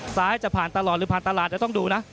จะผ่านตลอดหรือผ่านตลาดเดี๋ยวต้องดูนะ